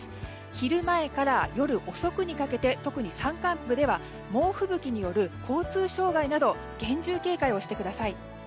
昼前から夜遅くにかけて特に山間部では猛吹雪による交通障害など厳重警戒をしてください。